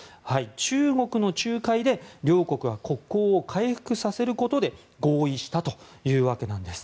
中国の仲介で両国は国交を回復させることで合意したということです。